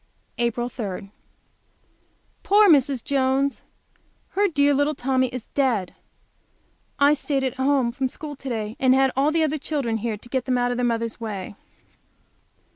April 3. Poor Mrs. Jones! Her dear little Tommy is dead! I stayed at home from school to day and had all the other children here to get them out of their mother's way.